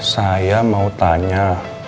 saya ingin bertanya